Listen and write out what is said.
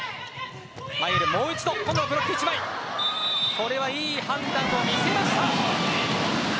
これはいい判断を見せました。